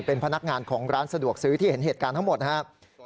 เป็นพนักงานของร้านสะดวกซื้อที่เห็นเหตุการณ์ทั้งหมดนะครับ